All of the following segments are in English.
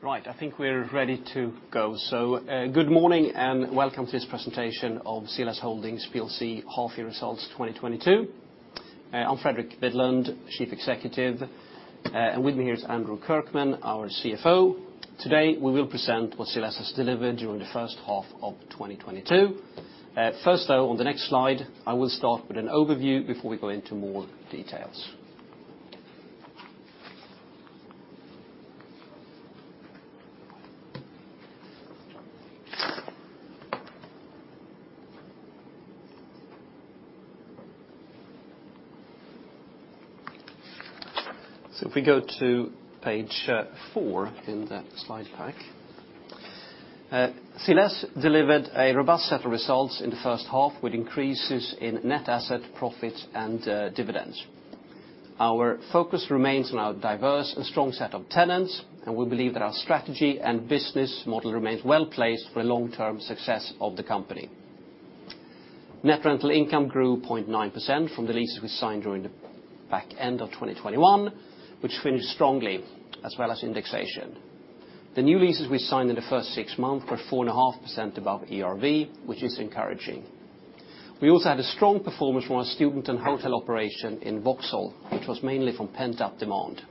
Right. I think we're ready to go. Good morning and welcome to this presentation of CLS Holdings PLC half-year results 2022. I'm Fredrik Widlund, Chief Executive, and with me here is Andrew Kirkman, our CFO. Today, we will present what CLS has delivered during the first half of 2022. First though, on the next slide, I will start with an overview before we go into more details. If we go to page four in the slide pack. CLS delivered a robust set of results in the first half, with increases in net asset, profits, and dividends. Our focus remains on our diverse and strong set of tenants, and we believe that our strategy and business model remains well-placed for the long-term success of the company. Net rental income grew 0.9% from the leases we signed during the back end of 2021, which finished strongly, as well as indexation. The new leases we signed in the first six months were 4.5% above ERV, which is encouraging. We also had a strong performance from our student and hotel operation in Vauxhall, which was mainly from pent-up demand.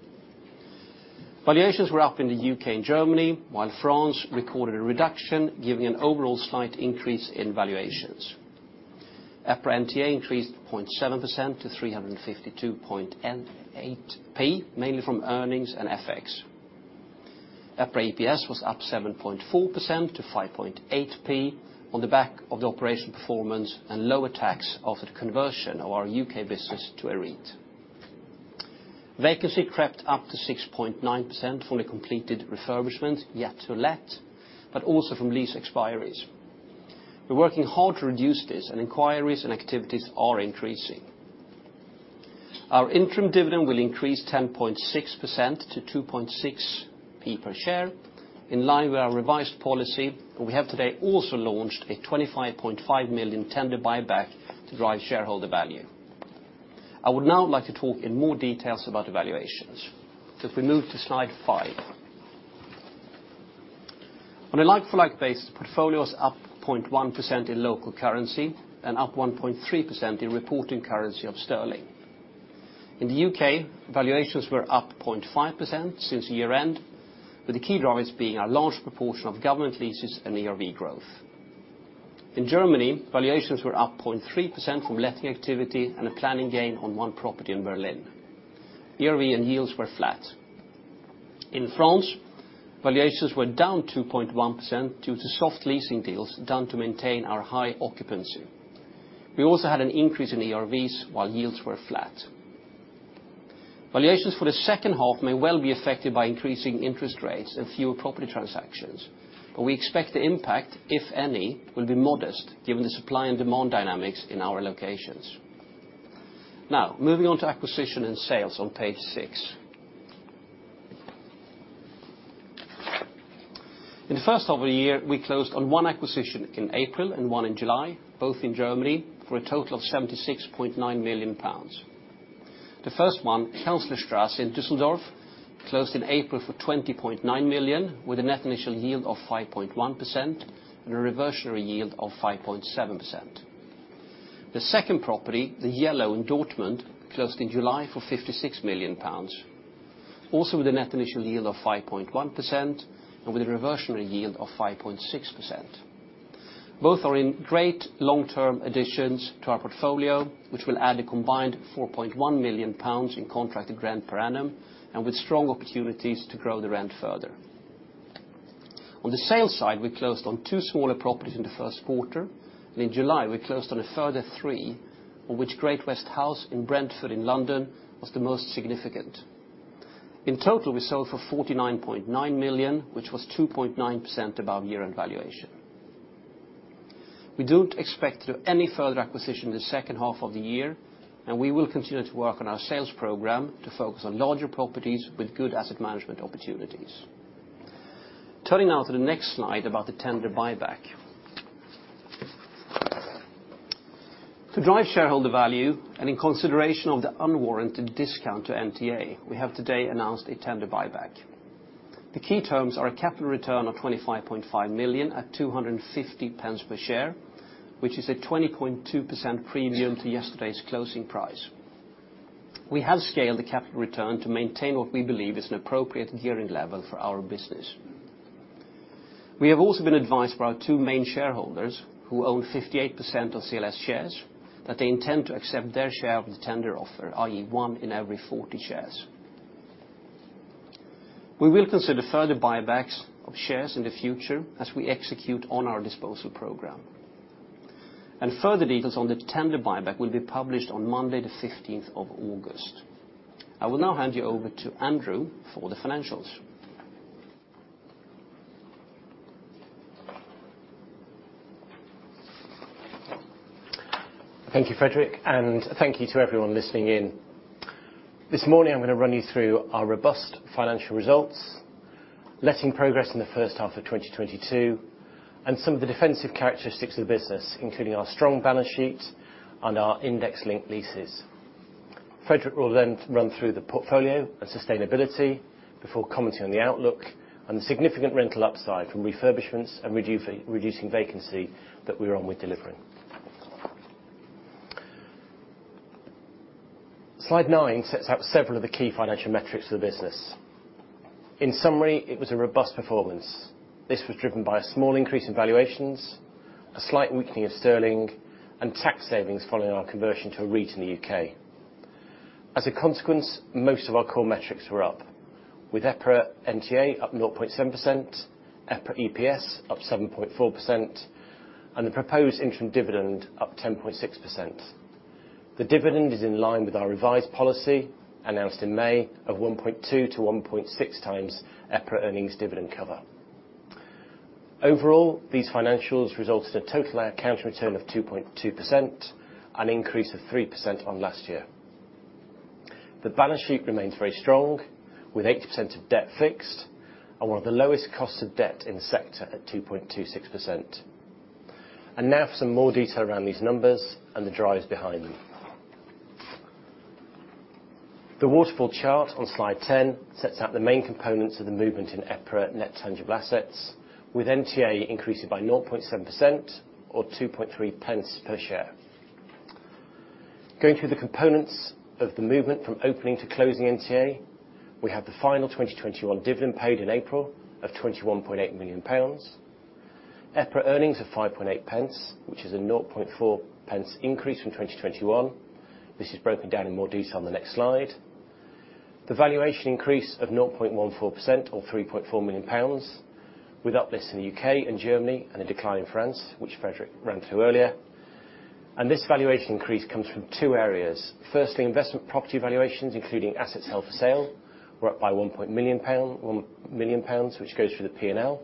Valuations were up in the U.K. and Germany, while France recorded a reduction, giving an overall slight increase in valuations. EPRA NTA increased 0.7% to 3.528, mainly from earnings and FX. EPRA EPS was up 7.4% to 0.058 on the back of the operational performance and lower tax of the conversion of our U.K. business to a REIT. Vacancy crept up to 6.9% from a completed refurbishment, yet to let, but also from lease expiries. We're working hard to reduce this, and inquiries and activities are increasing. Our interim dividend will increase 10.6% to 0.026 per share, in line with our revised policy. We have today also launched a 25.5 million tender buyback to drive shareholder value. I would now like to talk in more detail about valuations. If we move to slide five. On a like-for-like basis, portfolio is up 0.1% in local currency and up 1.3% in reporting currency of sterling. In the U.K., valuations were up 0.5% since year-end, with the key drivers being a large proportion of government leases and ERV growth. In Germany, valuations were up 0.3% from letting activity and a planning gain on one property in Berlin. ERV and yields were flat. In France, valuations were down 2.1% due to soft leasing deals done to maintain our high occupancy. We also had an increase in ERVs while yields were flat. Valuations for the second half may well be affected by increasing interest rates and fewer property transactions. We expect the impact, if any, will be modest given the supply and demand dynamics in our locations. Now, moving on to acquisition and sales on page six. In the first half of the year, we closed on one acquisition in April and one in July, both in Germany, for a total of 76.9 million pounds. The first one, Kanzlerstrasse in Dusseldorf, closed in April for 20.9 million, with a net initial yield of 5.1% and a reversionary yield of 5.7%. The second property, The Yellow in Dortmund, closed in July for 56 million pounds, also with a net initial yield of 5.1% and with a reversionary yield of 5.6%. Both are in great long-term additions to our portfolio, which will add a combined 4.1 million pounds in contracted rent per annum and with strong opportunities to grow the rent further. On the sales side, we closed on two smaller properties in the first quarter, and in July, we closed on a further three, of which Great West House in Brentford in London was the most significant. In total, we sold for 49.9 million, which was 2.9% above year-end valuation. We don't expect to do any further acquisition in the second half of the year, and we will continue to work on our sales program to focus on larger properties with good asset management opportunities. Turning now to the next slide about the tender buyback. To drive shareholder value and in consideration of the unwarranted discount to NTA, we have today announced a tender buyback. The key terms are a capital return of 25.5 million at 2.5 per share, which is a 20.2% premium to yesterday's closing price. We have scaled the capital return to maintain what we believe is an appropriate gearing level for our business. We have also been advised by our two main shareholders, who own 58% of CLS shares, that they intend to accept their share of the tender offer, i.e., one in every 40 shares. We will consider further buybacks of shares in the future as we execute on our disposal program. Further details on the tender buyback will be published on Monday the 15th of August. I will now hand you over to Andrew for the financials. Thank you, Fredrik, and thank you to everyone listening in. This morning, I'm gonna run you through our robust financial results. Letting progress in the first half of 2022, and some of the defensive characteristics of the business, including our strong balance sheet and our index-linked leases. Fredrik will then run through the portfolio and sustainability before commenting on the outlook and the significant rental upside from refurbishments and reducing vacancy that we're on with delivering. Slide nine sets out several of the key financial metrics of the business. In summary, it was a robust performance. This was driven by a small increase in valuations, a slight weakening of sterling, and tax savings following our conversion to a REIT in the U.K.. As a consequence, most of our core metrics were up, with EPRA NTA up 0.7%, EPRA EPS up 7.4%, and the proposed interim dividend up 10.6%. The dividend is in line with our revised policy announced in May of 1.2-1.6 times EPRA earnings dividend cover. Overall, these financials result in a total account return of 2.2%, an increase of 3% on last year. The balance sheet remains very strong with 80% of debt fixed and one of the lowest costs of debt in the sector at 2.26%. Now for some more detail around these numbers and the drivers behind them. The waterfall chart on slide 10 sets out the main components of the movement in EPRA net tangible assets, with NTA increasing by 0.7% or 0.023 per share. Going through the components of the movement from opening to closing NTA, we have the final 2021 dividend paid in April of 21.8 million pounds. EPRA earnings of 0.058, which is a 0.004 increase from 2021. This is broken down in more detail on the next slide. The valuation increase of 0.14% or 3.4 million pounds, with uplifts in the U.K. And Germany and a decline in France, which Fredrik ran through earlier. This valuation increase comes from two areas. Firstly, investment property valuations, including assets held for sale, were up by 1 million pounds, which goes through the P&L.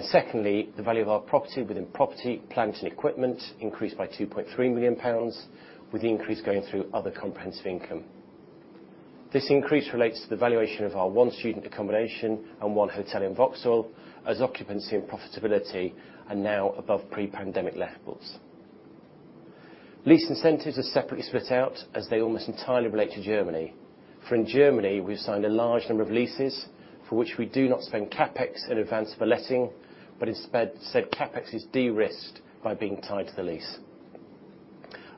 Secondly, the value of our property within property, plant and equipment increased by 2.3 million pounds, with the increase going through other comprehensive income. This increase relates to the valuation of our one student accommodation and one hotel in Vauxhall, as occupancy and profitability are now above pre-pandemic levels. Lease incentives are separately split out as they almost entirely relate to Germany, for in Germany, we've signed a large number of leases for which we do not spend CapEx in advance of a letting, but instead said CapEx is de-risked by being tied to the lease.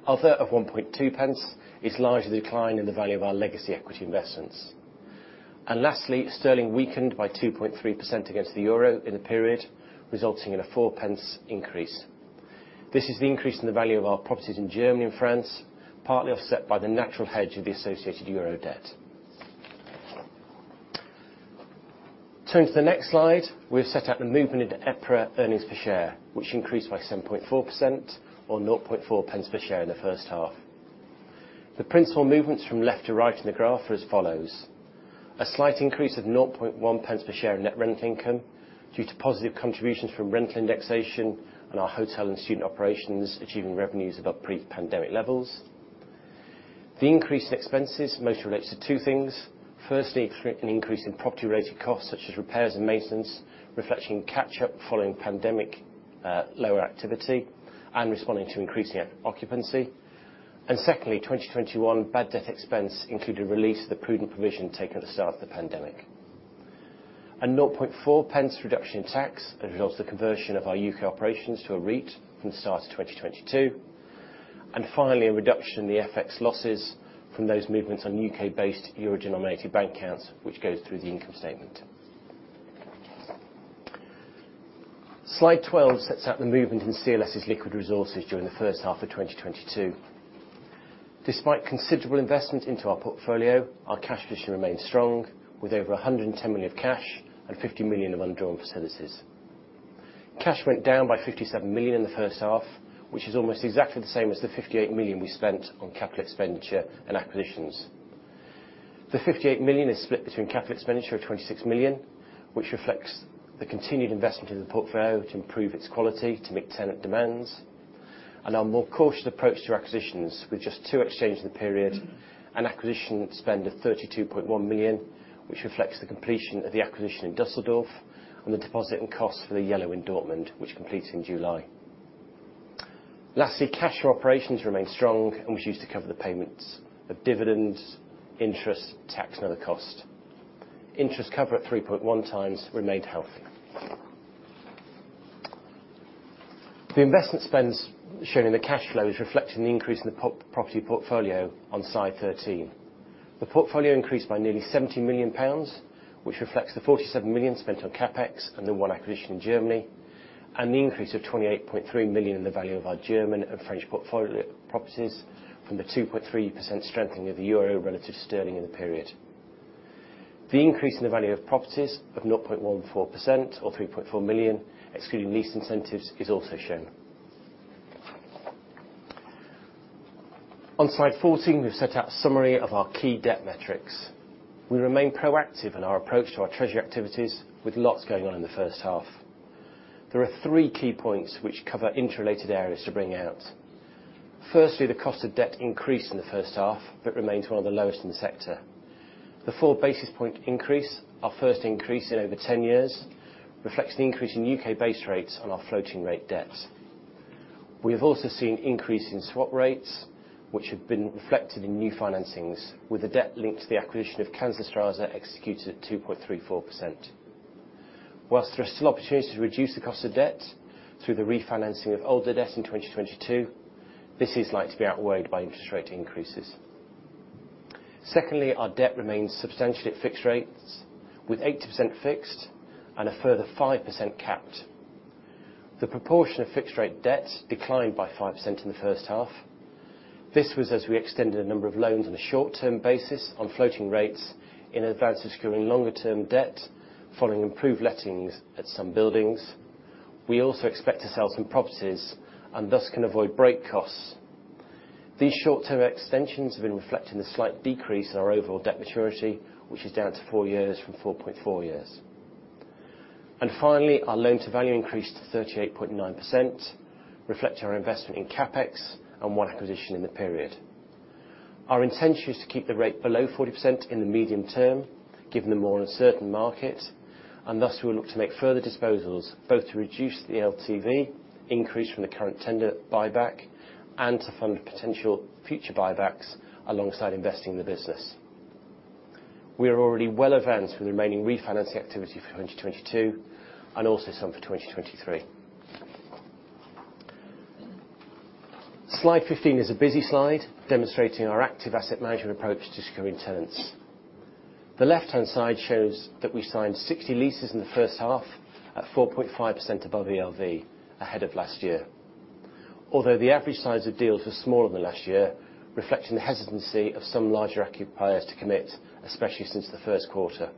Other of 0.012 is largely the decline in the value of our legacy equity investments. Lastly, sterling weakened by 2.3% against the euro in the period, resulting in a 0.04 increase. This is the increase in the value of our properties in Germany and France, partly offset by the natural hedge of the associated euro debt. Turning to the next slide, we've set out the movement in EPRA EPS, which increased by 7.4% or 0.004 per share in the first half. The principal movements from left to right in the graph are as follows, a slight increase of 0.001 per share in net rent income due to positive contributions from rental indexation and our hotel and student operations achieving revenues above pre-pandemic levels. The increase in expenses mostly relates to two things. Firstly, an increase in property-related costs, such as repairs and maintenance, reflecting catch-up following pandemic, lower activity and responding to increasing occupancy. Secondly, 2021 bad debt expense included release of the prudent provision taken at the start of the pandemic. 0.004 reduction in tax as a result of the conversion of our U.K. operations to a REIT from the start of 2022. Finally, a reduction in the FX losses from those movements on U.K.-based euro-denominated bank accounts, which goes through the income statement. Slide 12 sets out the movement in CLS's liquid resources during the first half of 2022. Despite considerable investment into our portfolio, our cash position remains strong with over 110 million of cash and 50 million of undrawn facilities. Cash went down by 57 million in the first half, which is almost exactly the same as the 58 million we spent on capital expenditure and acquisitions. The 58 million is split between capital expenditure of 26 million, which reflects the continued investment in the portfolio to improve its quality to meet tenant demands. Our more cautious approach to acquisitions, with just two exchanges in the period. An acquisition spend of 32.1 million, which reflects the completion of the acquisition in Dusseldorf and the deposit and cost for the Yellow in Dortmund, which completes in July. Lastly, cash from operations remains strong and was used to cover the payments of dividends, interest, tax, and other costs. Interest cover at 3.1 times remained healthy. The investment spends shown in the cash flow is reflecting the increase in the property portfolio on slide 13. The portfolio increased by nearly 70 million pounds, which reflects the 47 million spent on CapEx and the one acquisition in Germany, and the increase of 28.3 million in the value of our German and French portfolio properties from the 2.3% strengthening of the euro relative to sterling in the period. The increase in the value of properties of 0.14% or 3.4 million, excluding lease incentives, is also shown. On slide 14, we've set out a summary of our key debt metrics. We remain proactive in our approach to our treasury activities with lots going on in the first half. There are three key points which cover interrelated areas to bring out. Firstly, the cost of debt increased in the first half, but remains one of the lowest in the sector. The 4 basis point increase, our first increase in over 10 years, reflects the increase in U.K. base rates on our floating rate debt. We have also seen increase in swap rates, which have been reflected in new financings, with the debt linked to the acquisition of Kanzlerstrasse executed at 2.34%. While there are still opportunities to reduce the cost of debt through the refinancing of older debt in 2022, this is likely to be outweighed by interest rate increases. Secondly, our debt remains substantially at fixed rates, with 80% fixed and a further 5% capped. The proportion of fixed rate debt declined by 5% in the first half. This was as we extended a number of loans on a short-term basis on floating rates in advance of securing longer-term debt following improved lettings at some buildings. We also expect to sell some properties, and thus can avoid break costs. These short-term extensions have been reflecting the slight decrease in our overall debt maturity, which is down to four years from 4.4 years. Finally, our loan-to-value increased to 38.9%, reflecting our investment in CapEx and one acquisition in the period. Our intention is to keep the rate below 40% in the medium term, given the more uncertain market. Thus, we will look to make further disposals, both to reduce the LTV increase from the current tender buyback and to fund potential future buybacks alongside investing in the business. We are already well advanced with the remaining refinancing activity for 2022, and also some for 2023. Slide 15 is a busy slide demonstrating our active asset management approach to securing tenants. The left-hand side shows that we signed 60 leases in the first half at 4.5% above ERV, ahead of last year. Although the average size of deals was smaller than last year, reflecting the hesitancy of some larger occupiers to commit, especially since the first quarter.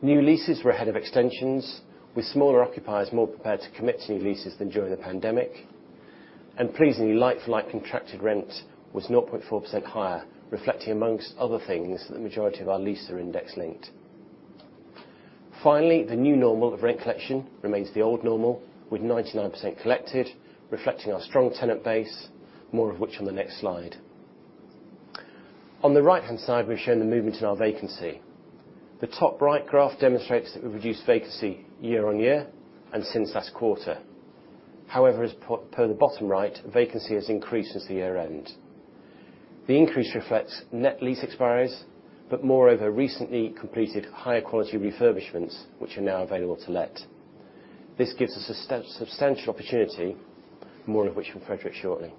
New leases were ahead of extensions, with smaller occupiers more prepared to commit to new leases than during the pandemic. Pleasingly, like-for-like contracted rent was 0.4% higher, reflecting among other things, that the majority of our leases are index-linked. Finally, the new normal of rent collection remains the old normal, with 99% collected, reflecting our strong tenant base, more of which on the next slide. On the right-hand side, we've shown the movement in our vacancy. The top right graph demonstrates that we've reduced vacancy year-on-year and since last quarter. However, as per the bottom right, vacancy has increased since the year-end. The increase reflects net lease expiries, but moreover, recently completed higher quality refurbishments, which are now available to let. This gives us a substantial opportunity, more of which from Fredrik shortly.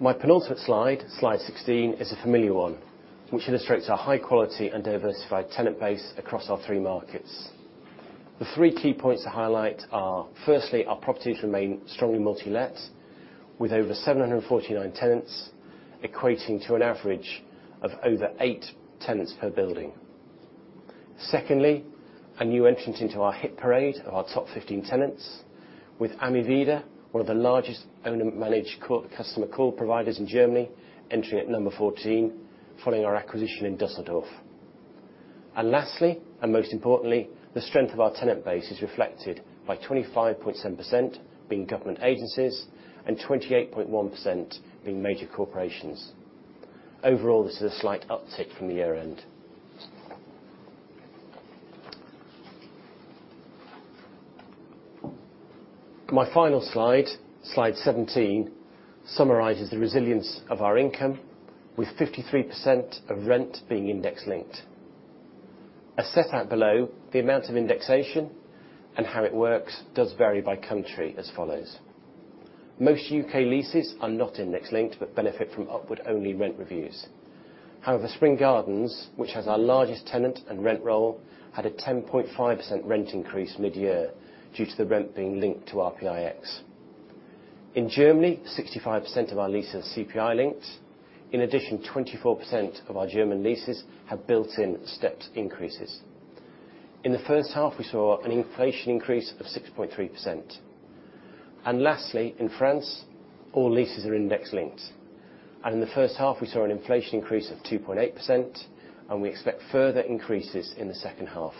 My penultimate slide 16, is a familiar one, which illustrates our high quality and diversified tenant base across our three markets. The three key points to highlight are, firstly, our properties remain strongly multi-let, with over 749 tenants, equating to an average of over eight tenants per building. Secondly, a new entrant into our hit parade of our top 15 tenants with AMEVIDA, one of the largest owner-managed customer care providers in Germany, entering at number 14 following our acquisition in Dusseldorf. Lastly, and most importantly, the strength of our tenant base is reflected by 25.7% being government agencies and 28.1% being major corporations. Overall, this is a slight uptick from the year end. My final slide 17, summarizes the resilience of our income, with 53% of rent being index-linked. As set out below, the amount of indexation and how it works does vary by country as follows. Most U.K. leases are not index-linked, but benefit from upward-only rent reviews. However, Spring Gardens, which has our largest tenant and rent roll, had a 10.5% rent increase mid-year due to the rent being linked to RPIX. In Germany, 65% of our leases are CPI-linked. In addition, 24% of our German leases have built-in stepped increases. In the first half, we saw an inflation increase of 6.3%. Lastly, in France, all leases are index-linked. In the first half, we saw an inflation increase of 2.8%, and we expect further increases in the second half.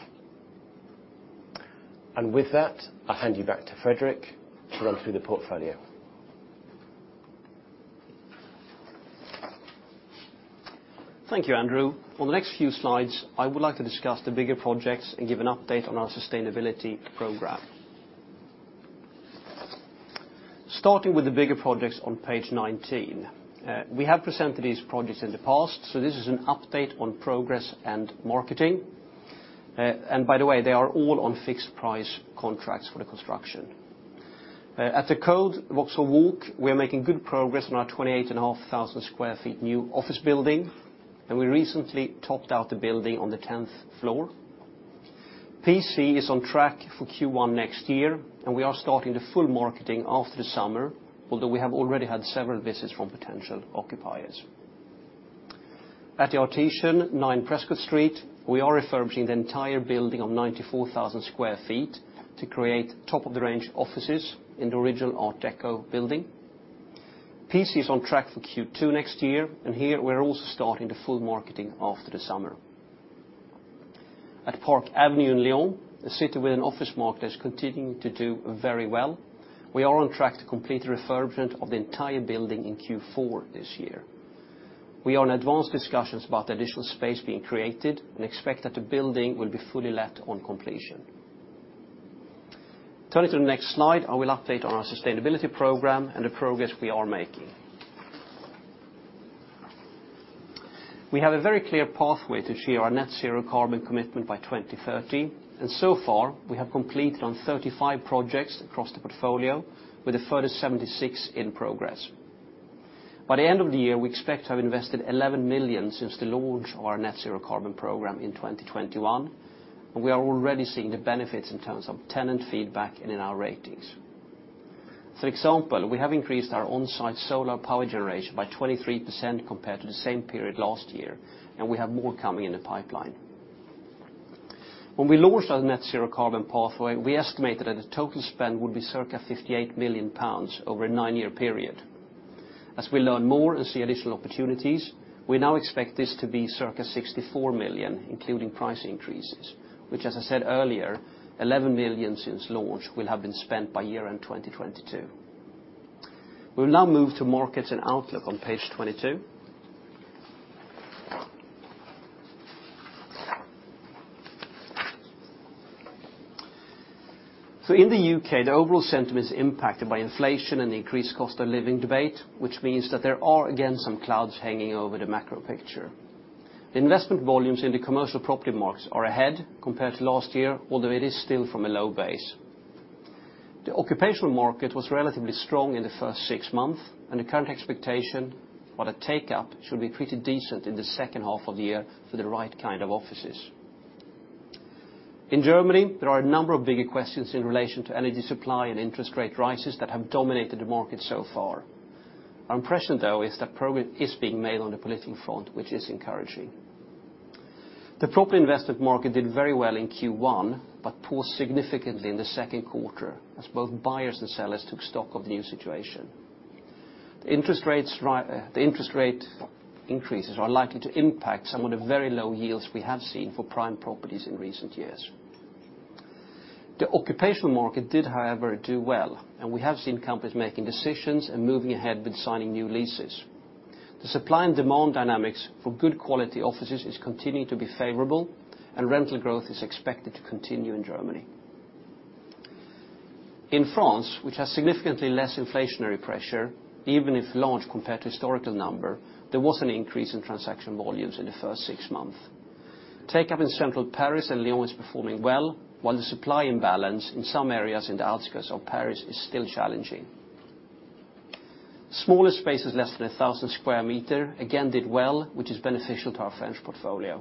With that, I'll hand you back to Fredrik to run through the portfolio. Thank you, Andrew. For the next few slides, I would like to discuss the bigger projects and give an update on our sustainability program. Starting with the bigger projects on page 19, we have presented these projects in the past, so this is an update on progress and marketing. By the way, they are all on fixed price contracts for the construction. At The Coade Vauxhall Walk, we are making good progress on our 28,500 sq ft new office building, and we recently topped out the building on the 10th floor. PC is on track for Q1 next year, and we are starting the full marketing after the summer, although we have already had several visits from potential occupiers. At Artesian, 9 Prescot Street, we are refurbishing the entire building of 94,000 sq ft to create top-of-the-range offices in the original Art Deco building. PC is on track for Q2 next year, and here we're also starting the full marketing after the summer. At Park Avenue in Lyon, a city with an office market that's continuing to do very well. We are on track to complete refurbishment of the entire building in Q4 this year. We are in advanced discussions about the additional space being created and expect that the building will be fully let on completion. Turning to the next slide, I will update on our sustainability program and the progress we are making. We have a very clear pathway to achieve our net zero carbon commitment by 2030, and so far, we have completed on 35 projects across the portfolio with a further 76 in progress. By the end of the year, we expect to have invested 11 million since the launch of our net zero carbon program in 2021, and we are already seeing the benefits in terms of tenant feedback and in our ratings. For example, we have increased our on-site solar power generation by 23% compared to the same period last year, and we have more coming in the pipeline. When we launched our net zero carbon pathway, we estimated that the total spend would be circa 58 million pounds over a nine year period. As we learn more and see additional opportunities, we now expect this to be circa 64 million, including price increases, which as I said earlier, 11 million since launch will have been spent by year-end 2022. We will now move to markets and outlook on page 22. In the U.K., the overall sentiment is impacted by inflation and increased cost of living debate, which means that there are again, some clouds hanging over the macro picture. Investment volumes in the commercial property markets are ahead compared to last year, although it is still from a low base. The occupational market was relatively strong in the first six months, and the current expectation or the take-up should be pretty decent in the second half of the year for the right kind of offices. In Germany, there are a number of bigger questions in relation to energy supply and interest rate rises that have dominated the market so far. Our impression, though, is that progress is being made on the political front, which is encouraging. The property investment market did very well in Q1, but paused significantly in the second quarter as both buyers and sellers took stock of the new situation. The interest rate increases are likely to impact some of the very low yields we have seen for prime properties in recent years. The occupational market did, however, do well, and we have seen companies making decisions and moving ahead with signing new leases. The supply and demand dynamics for good quality offices is continuing to be favorable, and rental growth is expected to continue in Germany. In France, which has significantly less inflationary pressure, even if large compared to historical number, there was an increase in transaction volumes in the first six months. Take-up in central Paris and Lyon is performing well, while the supply imbalance in some areas in the outskirts of Paris is still challenging. Smaller spaces, less than 1,000 square meters, again did well, which is beneficial to our French portfolio.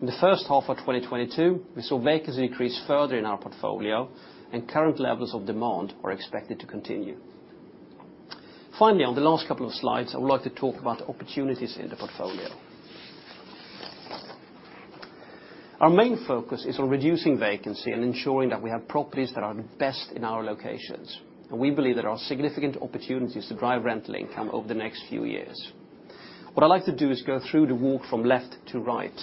In the first half of 2022, we saw vacancy increase further in our portfolio, and current levels of demand are expected to continue. Finally, on the last couple of slides, I would like to talk about opportunities in the portfolio. Our main focus is on reducing vacancy and ensuring that we have properties that are the best in our locations, and we believe there are significant opportunities to drive rental income over the next few years. What I'd like to do is go through the walk from left to right.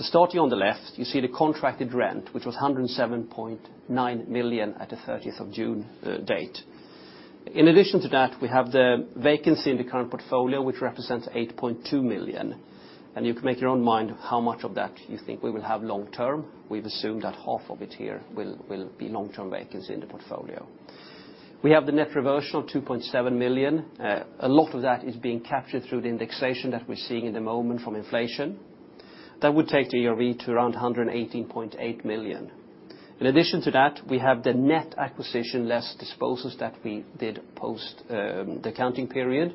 Starting on the left, you see the contracted rent, which was 107.9 million at the thirtieth of June date. In addition to that, we have the vacancy in the current portfolio, which represents 8.2 million. You can make up your own mind how much of that you think we will have long term. We've assumed that half of it here will be long-term vacancy in the portfolio. We have the net reversion of 2.7 million. A lot of that is being captured through the indexation that we're seeing at the moment from inflation. That would take the ERV to around 118.8 million. In addition to that, we have the net acquisition less disposals that we did post the accounting period,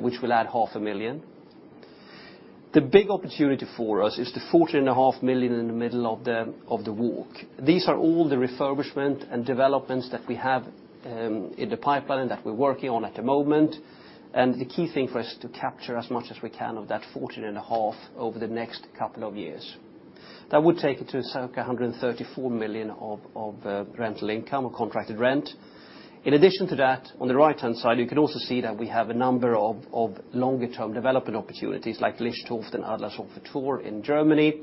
which will add GBP half a million. The big opportunity for us is the 14.5 Million in the middle of the walk. These are all the refurbishment and developments that we have in the pipeline that we're working on at the moment. The key thing for us to capture as much as we can of that 14.5 Over the next couple of years. That would take it to circa 134 million of rental income or contracted rent. In addition to that, on the right-hand side, you can also see that we have a number of longer term development opportunities like Lichtendorf and Adlershofer Tor in Germany.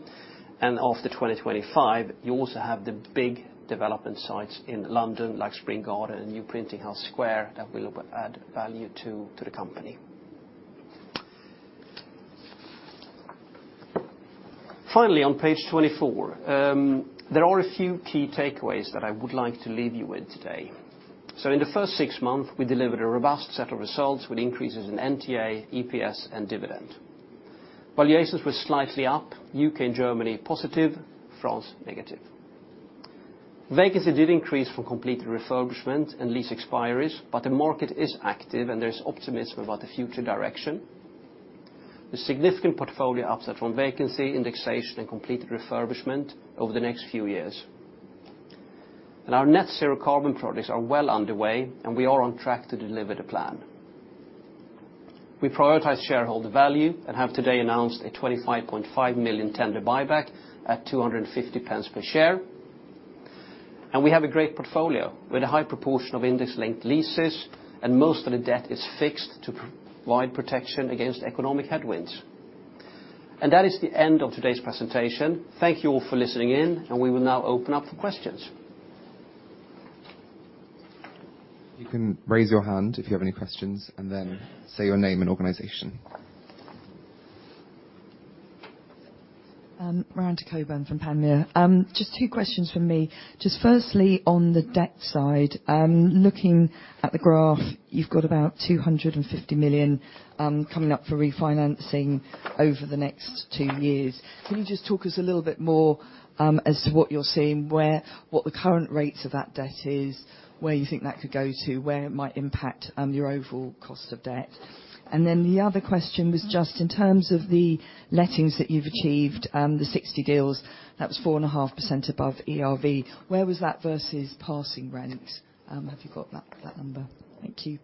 After 2025, you also have the big development sites in London like Spring Gardens and New Printing House Square that will add value to the company. Finally, on page 24, there are a few key takeaways that I would like to leave you with today. In the first six months, we delivered a robust set of results with increases in NTA, EPS, and dividend. Valuations were slightly up. U.K. and Germany, positive. France, negative. Vacancy did increase from completed refurbishment and lease expiries, but the market is active, and there is optimism about the future direction. The significant portfolio upside from vacancy indexation and completed refurbishment over the next few years. Our net zero carbon projects are well underway, and we are on track to deliver the plan. We prioritize shareholder value and have today announced a 25.5 million tender buyback at 2.5 per share. We have a great portfolio, with a high proportion of index-linked leases, and most of the debt is fixed to provide protection against economic headwinds. That is the end of today's presentation. Thank you all for listening in, and we will now open up for questions. You can raise your hand if you have any questions, and then say your name and organization. Miranda Cockburn from Panmure. Just two questions from me. Just first, on the debt side, looking at the graph, you've got about 250 million coming up for refinancing over the next two years. Can you just talk us a little bit more as to what you're seeing, where, what the current rates of that debt is, where you think that could go to, where it might impact your overall cost of debt? The other question was just in terms of the lettings that you've achieved, the 60 deals, that was 4.5% above ERV. Where was that versus passing rent? Have you got that number? Thank you.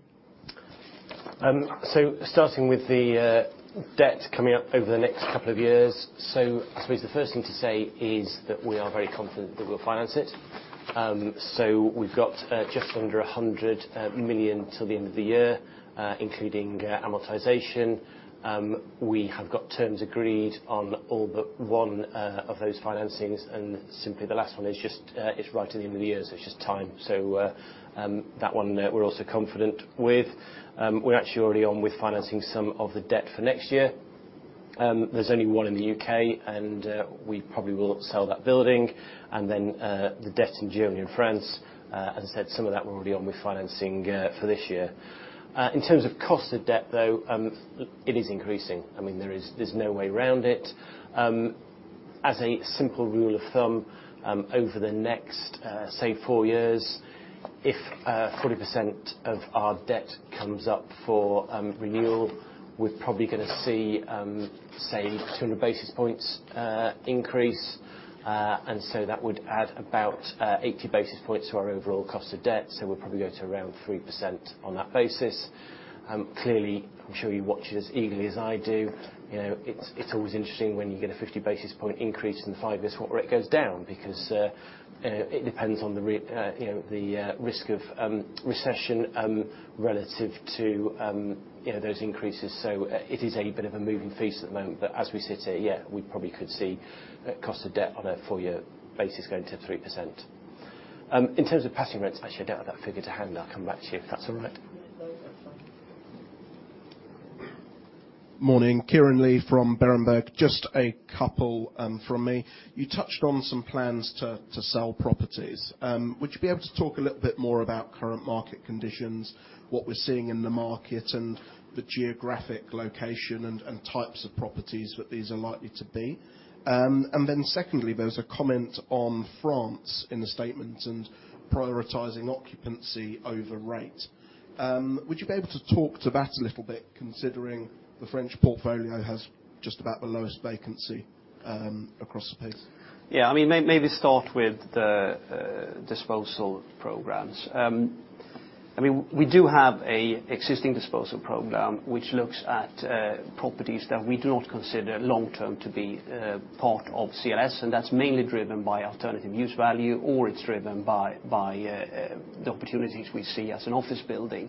Starting with the debt coming up over the next couple of years. I suppose the first thing to say is that we are very confident that we'll finance it. We've got just under 100 million till the end of the year, including amortization. We have got terms agreed on all but one of those financings, and simply the last one is just right at the end of the year, so it's just time. That one, we're also confident with. We're actually already on with financing some of the debt for next year. There's only one in the U.K., and we probably will upsell that building. The debt in Germany and France, as I said, some of that we're already on with financing, for this year. In terms of cost of debt, though, it is increasing. I mean, there's no way around it. As a simple rule of thumb, over the next, say, four years, if 40% of our debt comes up for renewal, we're probably gonna see, say, 200 basis points increase. That would add about 80 basis points to our overall cost of debt. We'll probably go to around 3% on that basis. Clearly, I'm sure you watch it as eagerly as I do. You know, it's always interesting when you get a 50 basis point increase in the five-year swap rate goes down because, you know, it depends on the risk of recession relative to, you know, those increases. It is a bit of a moving feast at the moment. As we sit here, yeah, we probably could see a cost of debt on a four-year basis going to 3%. In terms of passing rents, actually I don't have that figure to hand. I'll come back to you if that's all right. Morning, Kieran Lee from Berenberg. Just a couple from me. You touched on some plans to sell properties. Would you be able to talk a little bit more about current market conditions, what we're seeing in the market and the geographic location and types of properties that these are likely to be? Then secondly, there was a comment on France in the statement and prioritizing occupancy over rate. Would you be able to talk to that a little bit considering the French portfolio has just about the lowest vacancy across the piece? Yeah. I mean, maybe start with the disposal programs. I mean, we do have a existing disposal program which looks at properties that we do not consider long-term to be part of CLS, and that's mainly driven by alternative use value, or it's driven by the opportunities we see as an office building.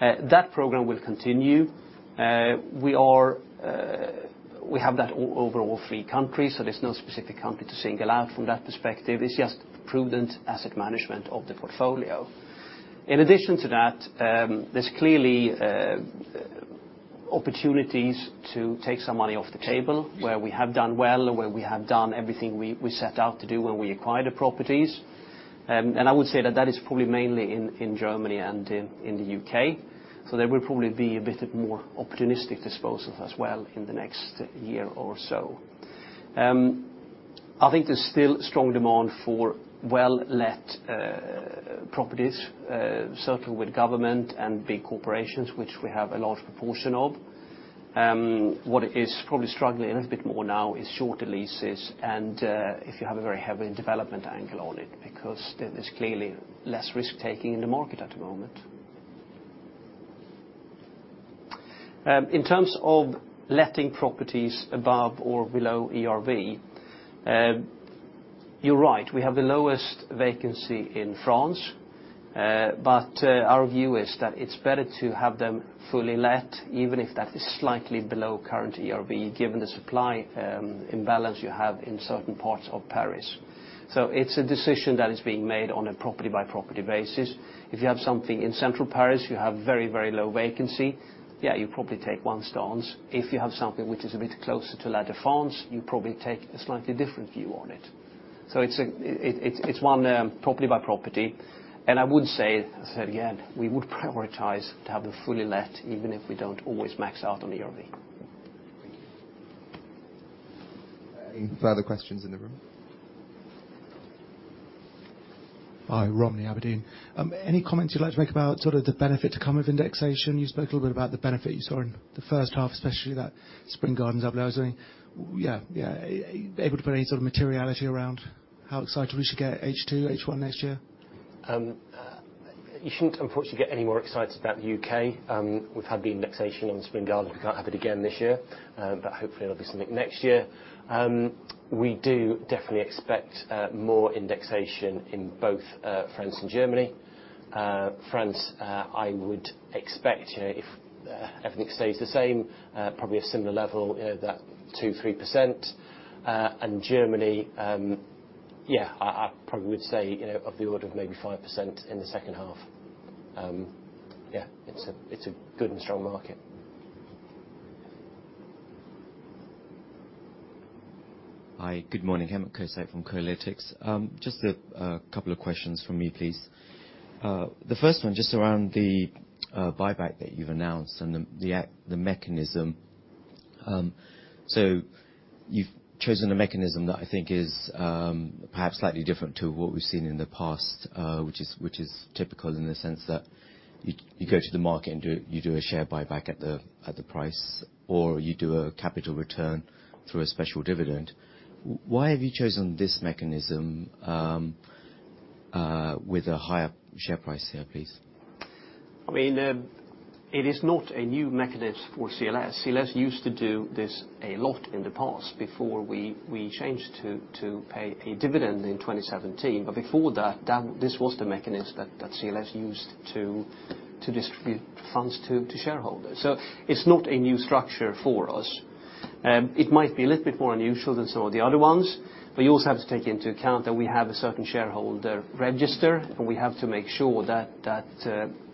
That program will continue. We have that overall three countries, so there's no specific country to single out from that perspective. It's just prudent asset management of the portfolio. In addition to that, there's clearly opportunities to take some money off the table where we have done well or where we have done everything we set out to do when we acquired the properties. I would say that is probably mainly in Germany and in the U.K. There will probably be a bit of more opportunistic disposals as well in the next year or so. I think there's still strong demand for well-let properties, certainly with government and big corporations, which we have a large proportion of. What is probably struggling a little bit more now is shorter leases and, if you have a very heavy development angle on it, because there is clearly less risk-taking in the market at the moment. In terms of letting properties above or below ERV, you're right, we have the lowest vacancy in France. But our view is that it's better to have them fully let, even if that is slightly below current ERV, given the supply imbalance you have in certain parts of Paris. It's a decision that is being made on a property-by-property basis. If you have something in central Paris, you have very, very low vacancy, yeah, you probably take one stance. If you have something which is a bit closer to La Defense, you probably take a slightly different view on it. It's one property by property. I would say, I said again, we would prioritize to have them fully let, even if we don't always max out on ERV. Any further questions in the room? Hi, Romney, Aberdeen. Any comments you'd like to make about sort of the benefit to come with indexation? You spoke a little bit about the benefit you saw in the first half, especially that Spring Gardens upside. I was thinking, able to put any sort of materiality around how excited we should get H2, H1 next year? You shouldn't unfortunately get any more excited about the U.K.. We've had the indexation on Spring Gardens. We can't have it again this year, but hopefully there'll be something next year. We do definitely expect more indexation in both France and Germany. France, I would expect if everything stays the same, probably a similar level. You know, that 2%-3%. Germany, yeah, I probably would say, you know, of the order of maybe 5% in the second half. Yeah, it's a good and strong market. Hi, good morning. [inaudible] from Corlytics. Just a couple of questions from me, please. The first one just around the buyback that you've announced and the mechanism. You've chosen a mechanism that I think is perhaps slightly different to what we've seen in the past, which is typical in the sense that you go to the market and do a share buyback at the price, or you do a capital return through a special dividend. Why have you chosen this mechanism with a higher share price here, please? I mean, it is not a new mechanism for CLS. CLS used to do this a lot in the past before we changed to pay a dividend in 2017. Before that, this was the mechanism that CLS used to distribute funds to shareholders. It's not a new structure for us. It might be a little bit more unusual than some of the other ones, but you also have to take into account that we have a certain shareholder register, and we have to make sure that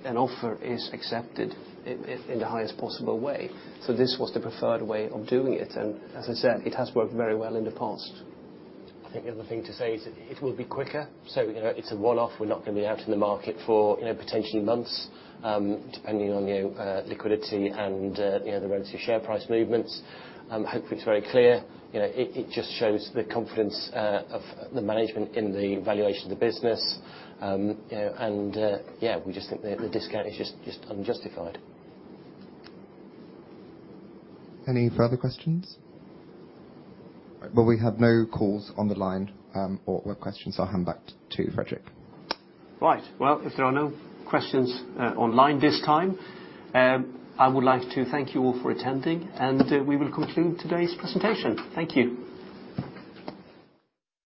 an offer is accepted in the highest possible way. This was the preferred way of doing it. As I said, it has worked very well in the past. I think the other thing to say is it will be quicker. You know, it's a one-off. We're not gonna be out in the market for, you know, potentially months, depending on, you know, liquidity and, you know, the relative share price movements. Hopefully, it's very clear. You know, it just shows the confidence of the management in the valuation of the business. You know, and, yeah, we just think the discount is just unjustified. Any further questions? Well, we have no calls on the line, or web questions. I'll hand back to Fredrik. Right. Well, if there are no questions online this time, I would like to thank you all for attending, and we will conclude today's presentation. Thank you.